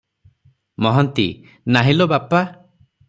ମହାନ୍ତି-ନାହିଁ ଲୋ ବାପା ।